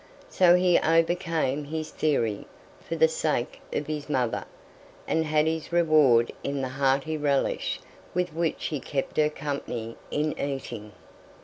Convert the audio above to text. So he overcame his theory, for the sake of his mother, and had his reward in the hearty relish with which he kept her company in eating.